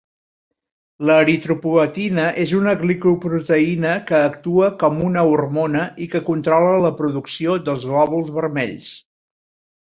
L'eritropoetina és una glicoproteïna que actua com una hormona i que controla la producció dels glòbuls vermells.